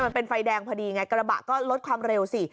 ไฟแดงพอดีไงกระบะก็ลดความเร็วสิ